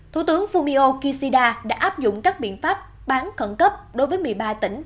thủ tướng fumio kishida đã áp dụng các biện pháp bán khẩn cấp đối với một mươi ba tỉnh